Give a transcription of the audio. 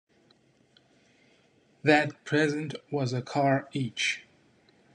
That 'present' was a car each.